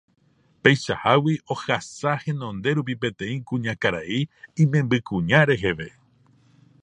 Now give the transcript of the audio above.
peichahágui ohasa henonde rupi peteĩ kuñakarai imembykuña reheve.